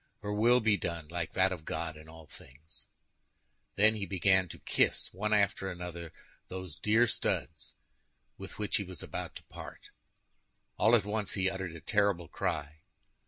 Her will be done, like that of God, in all things." Then, he began to kiss, one after the other, those dear studs with which he was about to part. All at once he uttered a terrible cry.